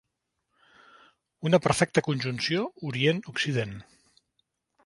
Una perfecta conjunció Orient-Occident.